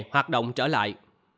hoạt động trở lại